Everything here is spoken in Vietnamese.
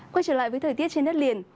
quay trở lại với thời tiết trên đất liền